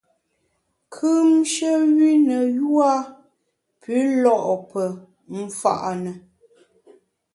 Kùmshe wü ne yua pü lo’ pe mfa’ na.